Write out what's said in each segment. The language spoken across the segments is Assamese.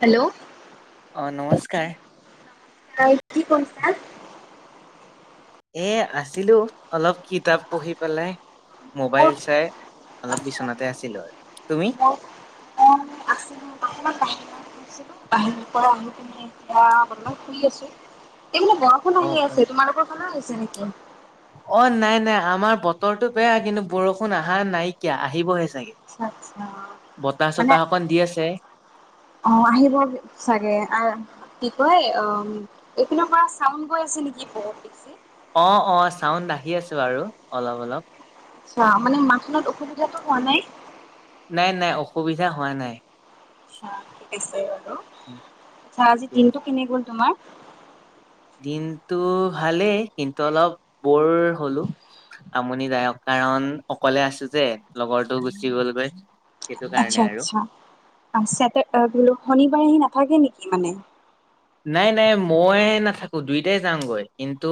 হেল্ল'? অ', নমস্কাৰ। [inaudible] কি কছা এ আছিলো অলপ কিতাপ পঢ়ি পেলাই। মই মোবাইল চাই অলপ বিচনাতে আছিলো আৰু তুমি? অ' আছিলো, অকমান বাহিৰত। বাহিৰৰ পৰা আহি প [inaudible] এতিয়া অলমান ফুৰি আছো এই ব ষূণ অ আহি অ আছে। তোমালোকৰ ফালেও হৈছে নেকি? অ', নাই নাই আমাৰ বতৰটো বেয়া কিন্তু বৰষুণ আহা নাইকিয়া আহিবহে চাগে? আচ্ছা আচ্ছা বতাহ - মানে চতাহ অকন দি আছে। অ', আহিব চাগে আহ কি কয় অ', এইপিনৰ পৰা চাউনড গৈ আছে নেকি বহুত বেছি? অ', অ', চাউণ্ড আহি আছে বাৰু অলপ অলপ। চোৱা মানে [inaudible] অসুবিধাটো হোৱা নাই। নাই নাই অসুবিধা হোৱা নাই। [unintelligible] ঠিক আছে বাৰু, আচ্ছা আজি ঠিকে দিনটো আছে। কেনে গ'ল তোমাৰ? দিনটো ভালেই কিন্তু অলপ বৰ হ'লো। আমনিদায়ক কাৰণ অকলে আছো যে লগৰটো গুচি গ'লগৈ। সেইটো কাৰণে আচ্ছা আৰু আচ্ছা, আ চেটাৰ আ বোলো শনিবাৰে আহি নাথাকে নেকি মানে? নাই নাই মই নাথাকো, দুইটাই যামগৈ কিন্তু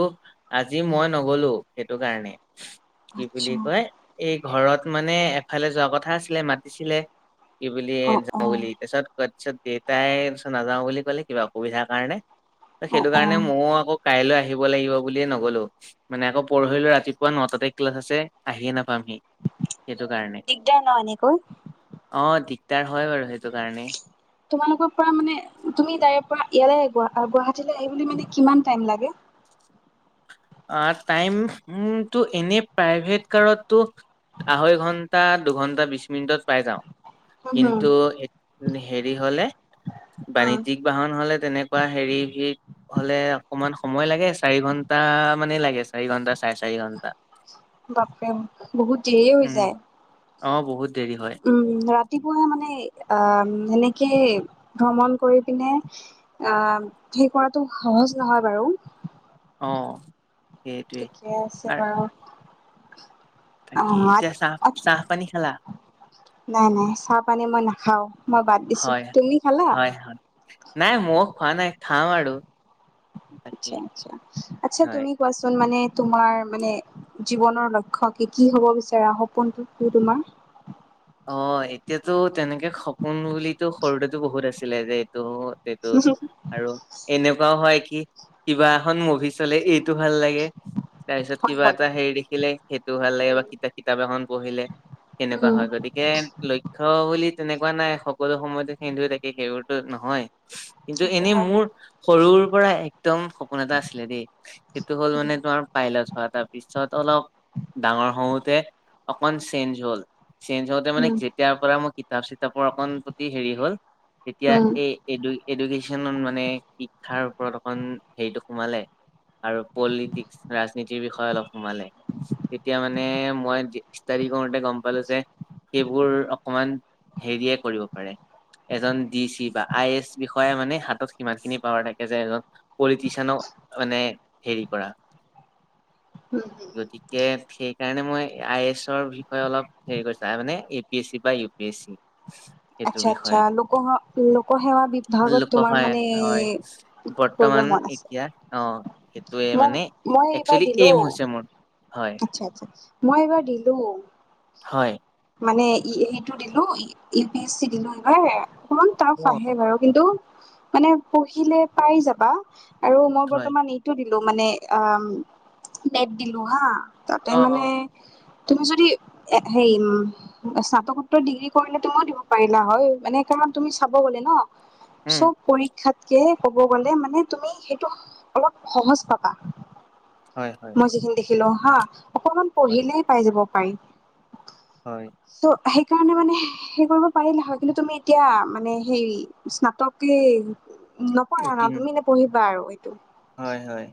আজি মই নগলো সেইটো কাৰণে। কি বুলি আচ্ছা কয় এই ঘৰত মানে এফালে যোৱা কথা আছিলে মাতিছিলে কি বুলি অ' যাওঁ অ'। বুলি তাৰপিছত কতছত দেউতাই পিছত নাযাও বুলি ক'লে কিবা সুবিধাৰ কাৰণে ত অ সেইটো অ কাৰণে ময়ো আকৌ কাইলৈ আহিব লাগিব বুলিয়ে নগ'লোঁ। মানে আকৌ পঢ়িলো ৰাতিপুৱা নটাতে ক্লাছ আছে আহিয়ে নাপামহি সেইটো কাৰণে। দিগদাৰ [inaudible] অ', দিগদাৰ হয় বাৰু সেইটো কাৰণে। তোমালোকৰ পৰা মানে তুমি তাইৰ পৰা ইয়ালে গুৱা গুৱাহাটীলৈ আহিবলৈ মানে কিমান টাইম লাগে? আ টাইম ওম টো এনে প্ৰাইভেট কাৰতটো আঢ়ৈ ঘণ্টা, দুঘন্টা বিশ মিনিটত পাই যাও। হুম হুম কিন্তু হে হেৰি হলে অ বাৰি দি বাহন হলে তেনেকুৱা হেৰি ভী হলে অকমান সময় লাগে চাৰি ঘন্টা মানে লাগে, চাৰি ঘণ্টা চাৰে চাৰি ঘণ্টা। বাপৰে! বহুত দেৰি হৈ উম অ বহুত দেৰি হয় যায়। উম ৰা ৰাতিপুৱাই মানে আহ সেনেকে ভ্ৰমণ কৰি পিনে আহ সেই কৰাতো সহজ নহয় বাৰু। অ' সেইটোৱেই ঠিকে আছে আৰ বাৰু, তাকে এতিয়া চাহ অ চাহপানী খালা? নাই নাই চাহ পানী মই নাখাও, মই বাদ দিছো হয় তুমি খালা? হয় হয় নাই মও খোৱা নাই খাম আৰু, আচ্ছা তাকেই আচ্ছা আচ্ছা হয় তুমি কোৱাচোন মানে তোমাৰ মানে জীৱনৰ লক্ষ্য কি কি হ'ব বিচাৰা সপোনটো কি তোমাৰ? অ এতিয়াতো তেনেকে সপোন বুলিতো সৰুতে টো বহুত আছিলে যে এইটো, হেটো আৰু এনেকুৱাও হয় কি কিবা এখন মুভি চলে এইটো ভাল লাগে, তাৰপিছত হয় কিবা হয় এটা হেৰি দেখিলে সেইটো ভাল লাগে বা কিতাপ কিতাপ এখন পঢ়িলে। কেনেকুৱা উম হয় যদি তাকে লক্ষ্য বুলি তেনেকুৱা নাই সকলো সময়তে সেইটোৱে থাকে সেইবোৰতো নহয়। কিন্তু সেইটো এনেই হয় মোৰ সৰুৰ পৰা একদম সপোন এটা আছিলে দেই। সেইটো হ'ল উম মানে তোমাৰ পাইলট হোৱা। তাৰপিছত অলপ ডাঙৰ হওঁতে অকণমান চেঞ্জ হ'ল চেঞ্জ হ মানে যেতিয়াৰ পৰা মই কিতাপ চিতাপৰ অকণ প্ৰতি হেৰি হ'ল তেতিয়া উম এই, এডু এডুকেশ্যন মানে শিক্ষাৰ ওপৰত অকণ হেৰিটো সোমালে। আৰু পলিটিক্স ৰাজনীতিৰ বিষয়ে অলপ সোমালে, তেতিয়া মানে মই যি ষ্টাডি কৰোতে গম পালো যে সেইবোৰ অকমান হেৰিয়ে কৰিব পাৰে। এজন ডি চি বা আই এছ বিষয়ে মানে হাতত সিমান খিনি পাৱাৰ থাকে যে এজন, পলিটিচিয়ানক মানে হেৰি কৰা। [inaudible] গতিকে সেইকাৰণে মই আই এছৰ বিষয়ে অলপ হেৰি কৰিছোঁ। তাই মানে এ পি এছ চি বা ইউ পি এছ চি সেইটোৰ আচ্ছা আচ্ছা বিষয়ে লোক সেৱা লোকসেৱা বিভাগত লোক তোমাৰ হয় মানে, হয় কৰিব বৰ্তমান মন আছে এতিয়া অ সেইটোৱে মই মানে মই এইবাৰ একচুৱেলি দিলো এইম হৈছে মোৰ। হয় আচ্ছা আচ্ছা মই এইবাৰ দিলোঁ। হয় মানে ই এইটো দিলো ইউ পি এচ চি দিলো এইবাৰ, অকমান টাফ অ আহে বাৰু কিন্তু মানে পঢ়িলে পাই যাবা, আৰু মই হয় বৰ্তমান ই টো দিলো মানে অ নেট দিলো হা, তাতে অ অ মানে তুমি যদি হেৰি উম স্নাতকোত্তৰ ডিগ্ৰী কৰিলে তুমিও দিব, পাৰিলা হয় মানে তুমি তোমাৰ চাব গলে ন উম চব পৰীক্ষাত, কে ক'ব গ'লে মানে তুমি সেইটো অলপ সহজ পাবা। হয় হয়। মই যিখিনি দেখিলো হা অকনমান হয় পঢ়িলে পাই যাব পাৰি। হয়। ত' সেইকাৰণে মানে সেই কৰিব পাৰিলা হয় কিন্তু তুমি এতিয়া মানে সেই স্নাতক কি নপঢ়া ন উত্তীৰ্ণ তুমি হে পঢ়িবা আৰু এইটো। হয় হয়।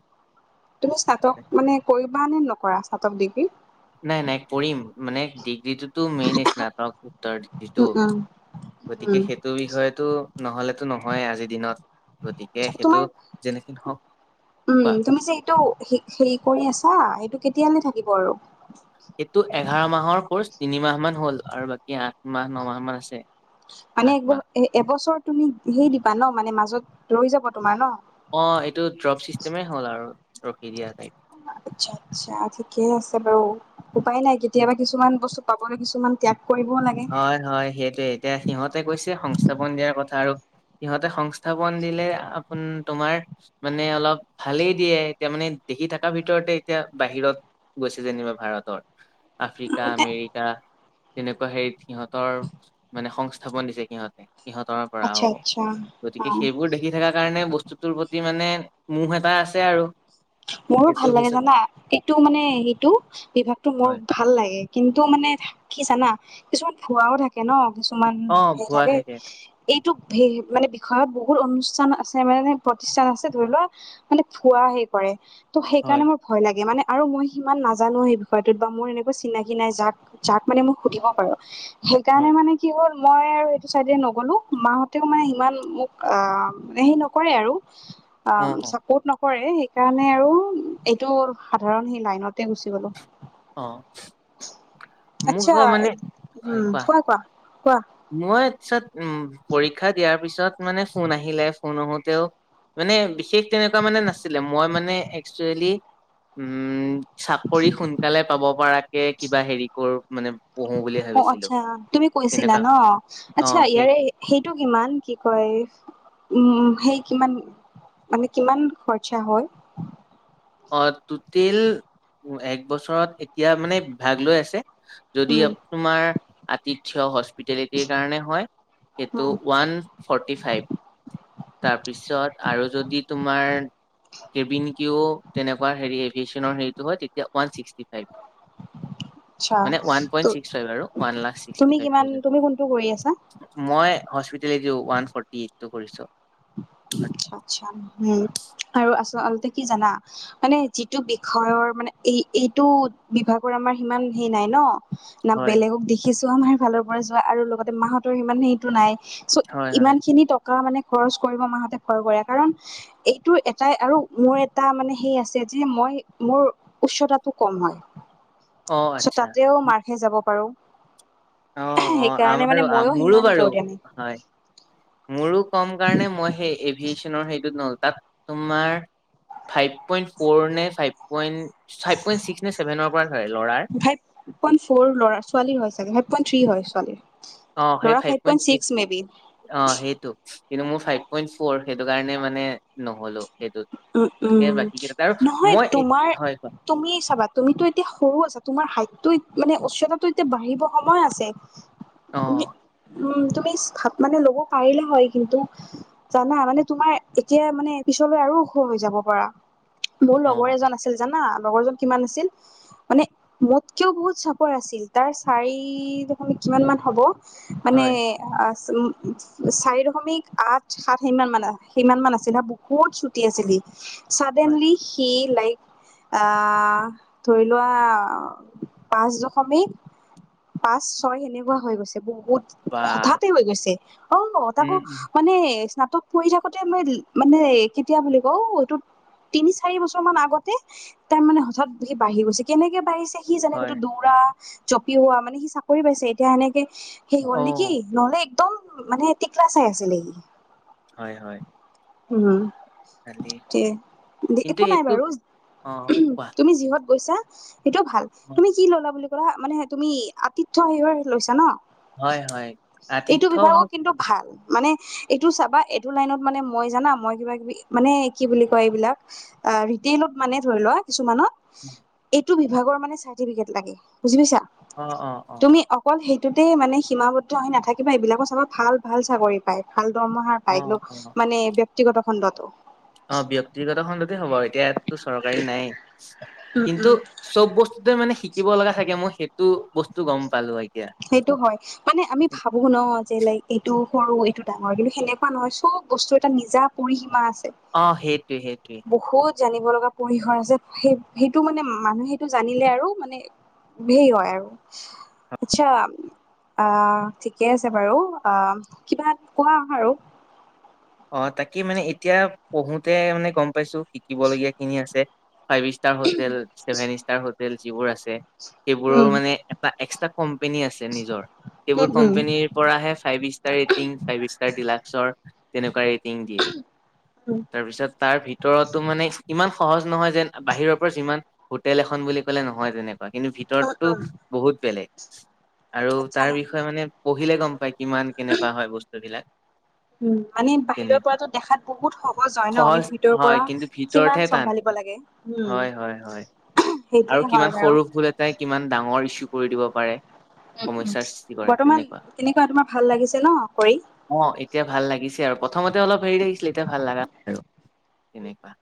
তুমি স্নাতক মানে কৰিবা নে নকৰা স্নাতক ডিগ্ৰী? নাই নাই কৰিম, মানে ডিগ্ৰীটোতো মেইন স্নাতক উত্তৰ উম, ডিগ্ৰীটো। উম, গতিকে উম, সেই, হেটো বিষয়টো নহলেতো নহয় আজিৰ দিনত আচ্ছা গতিকে তোমাৰ সেইটো যেনেকে নহওক উম কোৱা তুমি যে এইটো হেৰি হেৰি কৰি আছা এইটো কেতিয়ালৈ থাকিব আৰু এইটো এঘাৰ মাহৰ কৰ্চ তিনি মাহ মান হ'ল আৰু বাকী এতিয়া আঠ মাহ নমাহ মান আছে আঠ মাহ এ এবছৰ তুমি সেইৰি দিবা ন মানে মাজত ৰৈ যাব তোমাৰ ন অ এইটো ড্ৰপ ছিষ্টেমে হ'ল আৰু ৰখি দিয়া ঠাইপ আটচ্ছা-আটচ্ছা ঠিকে আছে বাৰু, উপায় নাই কেতিয়াবা কিছুমান বস্তু পাবলে কিছুমান ত্যাগ কৰিব লাগে হয়-হয় সেইটোয়ে, এতিয়া সিহঁতে কৈছে সংস্থাপন দিয়াৰ কথা আৰু সিহঁতে সং থাপন দিলে আপোন তোমাৰ, মানে অলপ ভালেই দিয়ে এতিয়া মানে দেখি থকাৰ ভিতৰতে এতিয়া বাহিৰত গৈছে যেনিবা ভাৰতৰ, আফ্ৰিকা, উম, এ আমেৰি কা হেৰিত সিহঁতৰ, মানে সংস্থাপন দিছে সিহঁতে, সিহঁতৰ পৰা আচ্ছা, অ, আচ্ছা। গতিকে অ' সেইবোৰ দেখি [unintelligible] কাৰণে বস্তুটোৰ প্ৰতি মানে, মোহ এটা আছে আৰু মোৰো সেইটো ভাল লাগে পিছত জানা, কিন্তু মানে হেইটো বিভাগতটো মোৰ হয় ভাল লাগে, কিন্তু মানে থ কি জানা, কিছুমান ভুৱাও থাক কে ন কিছুমান অ [unintelligible] ভুৱা থাকে এইটো ভে মানে বিষয়ত বহুত অনুষ্ঠান আছে মানে প্ৰতিষ্ঠান আছে ধৰি লোৱা মানে ফোৱা হেই কৰে ত সেইকাৰণে হয় ম ভয় লাগে মানে আৰু মই সিমান নাজানো সেই বিষয়টোত বা মোৰ এনেকুৱা চিনাকি নাই যাক যাক মানে মোক সুধিব পাৰো সেইকাৰণে হয় মানে কি হ'ল মই আৰু সেইটো ছাইডে নগ'লো মাহঁতেও মানে সিমান মোক সেই নকৰে আৰু অ চাপৰ্ট নকৰে সেইকাৰণে আৰু এইটো সাধাৰণ সেই লাইনতে গুচি গলো অ' মোক আটচ্ছা, আকৌ মানে হয় উম', কোৱা কোৱা-কোৱা-কোৱা মই পিছত উ', পৰীক্ষা দিয়াৰ পিছত মানে ফোন আহিলে, ফোন আহোতেও মানে বিশেষ তেনেকুৱা মানে নাছিলে, মই মানে একচুৱেলি উম' চাকৰি সোনকালে পাব পৰাকে কিবা হেৰি কৰো, মানে পঢ়ো বুলি অ ভাবিছিলো। আচ্ছা তুমি কৈছিলা তেনেকুৱা ন? অ আচ্ছা সেই ইয়াৰে সেইটো কিমান? কি কয়, উম', সেই কিমান মানে কিমান খৰচা হয়? অ', টোটিল এক বছৰত এতিয়া মানে ভাগ লৈ আছে যদি উম তোমাৰ আতিথ্য হস্পিটেলিটিৰ কাৰণে হয়, সেইটো উম ওৱান ফৰ্টি ফাইভ তাৰপিছত আৰু যদি তোমাৰ কেবিনকেও তেনেকুৱা হেৰি এভিয়েচনৰ হেৰিটো হয়, তেতিয়া ওৱান ছিক্সি ফাইভ। আচ্ছা মানে ৱান পইণ্ট ছিক্স ফাইভ আৰু, ওৱান লাখ ছিক্সটি তুমি ফাইভ কিমান তুমি কোনটো কৰি আছা থাউজেণ্ড। মই হস্পিতেলিটিও ওৱান ফৰ্টি এইটটো কৰিছো। আচ্ছা, উম', আৰু আচঅলতে কি জানা মানে যিটো বিখয়ৰ মানে, এই এইটো বিভাগৰ আমাৰ সিমান হেই নাই ন না হয় বেলেগক দেখিছো আমাৰ ফালৰ পৰা যোৱা, আৰু লগতে মাহঁতৰ সিমান সেইটো নাই চ' হয় ইমান হয় খিনি টকা মানে খৰচ কৰিব মা হতে ভয় কৰে, কাৰণ এইটো এটাই আৰু মোৰ এটা মানে হেই আছে যে মই মোৰ উচ্চতাটো কম হয়, অ চ' আচ্ছা তাতেও মাৰহে যাব পাৰো অ অ সেইকাৰণে মানে আমাৰো মইয়ো মোৰো সিমান বাৰু যোৰ দিয়া নাই। হয় মোৰো কম কাৰণে মই সেই এভিয়েচনৰ হেইটোত নলো তাত। তোমাৰ ফাইভ পইণ্ট ফ'ৰ নে five point, five point six নে চভেনৰ- পৰা চায় ল'ৰাৰ? ফাইভ পইণ্ট ফ'ৰ ল'ৰা ছোৱালীৰ হয় ছাগে, ফাইভ পইণ্ট থ্ৰী হয় ছোৱালীৰ। ল'ৰা five point six maybe. অঁ' সেইটো, কিন্তু মোৰ ফাইভ পইণ্ট ফ'ৰ, সেইটো কাৰণে মানে নহ'লো সেইটোত। উম উম গতিকে, বাকী কেইটা নহয় মই এইট তোমাৰ হয় কোৱা। তুমি চাবা, তুমিতো এতিয়া সৰু আছা, তোমাৰ হাইট টো, মানে উচ্চতাটো এতিয়া বাঢ়িব সময় আছে। [inaudible] অঁ' উম তুমি থাপ মানে ল'ব পাৰিলে হয় কিন্তু- জানা মানে তোমাৰ এতিয়া মানে পিছলৈ আৰু- ওখ হৈ যাব পাৰা, মোৰ লগৰ অ এজন আছিল জানা লগৰজন কিমান আছিল? মানে মোতকেও বহুত চাপৰ আছিল তাৰ চাৰি দশমিক কিমান মান হ'ব- হয় মানে- চাৰি দশমিক আঠ সাত সিমান মাধ সিমান মান আছিলা বহুত চুট- টি আছিলি সি হয় চাডেনলি সি লাইক- আঁহ ধৰি লোৱা পাঁচ দশমিক- পাঁচ ছয় সেনেকুৱা হৈ গৈছে, বহুত- বা হঠাতে হৈ গৈছে, অঁ তাকো উম উম মানে- নাটক কৰি থাকোতে মই মানে কেতিয়া বুলি কওঁ এইটোত- তিনি চাৰি বছৰ মান আগতে তাৰ মানে হঠাৎ সি বাঢ়ি গৈছে কেনেকে বাঢ়িছে? কি জানে সেটো হয় দৌৰা জপিওৱা মানে সি চাকৰি পাইছে। এতিয়া সেনেকে- সেই অ হ'ল নেকি, ন'হলে একদম মানে টিকলা চাই আছিলে সি। হয় হয়। উম' ভালেই ঠিকে, কিন্তু একো নাই এইটো বাৰু। অ কোৱা তুমি যিহত গৈছা সেইটো ভাল, অ, তুমি কি ললা বুলি- কৰা মানে তুমি আতিথ্য হাৰিয়ৰ লৈছা ন। হয় হয় এইটো আতিথ্য বিভাগক হওক কিন্তু ভাল। মানে- এইটো চাবা এইটো লাইনত মানে মই জানা মই কিবা কিবি- মানে কি বুলি কয় এইবিলাক ৰিতেলত মানে ধৰি লোৱা কিছুমানত এইট- টো বিভাগৰ মানে চাৰ্টিফিকেট লাগে বুজি পাইছা। অঁ' অঁ' অঁ' তুমি অকল সেইটোতে মানে সীমাবদ্ধ আহি নাথাকিবা। এইবিলাকো চাবা ভাল ভাল চাকৰি পায় ভাল দৰমহাৰ- অ পাই গলো অ মানে ব্যক্তিগত খণ্ডতো। অঁ ব্যয়ক্তিগত খণ্ডতে হ'ব, এতিয়া ইয়াতটো চৰকাৰী নায়ে উম কিন্তু, উম - চব বস্তুতে মানে শিকিব লগা থাকে, মই সেইটো বস্তু গম পালো এতিয়া। সেইটো হয়। মানে আমি ভাবো ন যে লাইক এইটো সৰু এইটো ডাঙৰ কিন্তু, সেনেকুৱা নহয় চব বস্তু এটা নিজা- পৰিসীমা আছে। অঁ' সেইটোৱে সেইটোৱে। বহুত জানিব লগা পৰিসৰ আছে সেই সেইটো মানে মানুহে টো জানিলে আৰু মানে- ধেই হয় আৰু। আৎচ্ছা আঁহ ঠিকে আছে বাৰু আঁহ কিবা কোৱা আৰু। অঁ তাকে মানে এতিয়া পঢ়োতে মানে গম পাইছো শিকিবলগীয়া খিনি আছে। Five star hotel seven star hotel যিবোৰ আছে। উম সেইবোৰৰ মানে এটা এক্সট্ৰা কোম্পেনী আছে নিজৰ সেইবোৰ উম কোম্পেনীৰ পৰাহে five star rating five star ডিলাক্সৰ তেনেকুৱা ৰে টিং দিয়ে। তাৰপিছত তাৰ ভিতৰতো মানে ইমান সহজ নহয় যেন বাহিৰৰ পৰা যিমান হোটেল এখন বুলি ক'লে নহয় তেনেকুৱা কিন্তু ভিতৰততো বহুত বেলেগ আৰু আচ্ছা তাৰ বিষয়ে মানে পঢ়িলে গম পায় কিমান কেনেকুৱা হয় বস্তু টো বিলাক। উম মানে বাহিৰৰ পৰাতো দেখাত বহুত সহজ হয় ন কিন্তু ভিতৰৰ হয় পৰা কিন্তু কিমান ভিতৰতহে টান চম্ভালিব লাগে। উম। হয় হয় হয় আৰু সেইটোয়ে হয় কিমান বাৰু সৰু ভুল এটাই কিমান ডাঙৰ ইছু কৰি দিব পাৰে। উম উম। সমস্যাৰ সৃষ্টি কৰে বৰ্তমান তেনেকুৱা কেনেকুৱা তোমাৰ ভাল লাগিছে ন কৰি? অঁ, এতিয়া ভাল লাগিছে আৰু প্ৰথমতে অলপ হেৰি লাগিছিলে, এতিয়া ভাল লগা হৈছে আৰু তেনেকুৱা।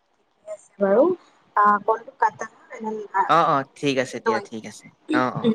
আছে বাৰু [unintelligible] অঁ অঁ, ঠিক আছে দিয়া ঠিক আছে। অঁ অঁ। উম